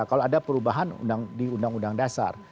kalau ada perubahan di undang undang dasar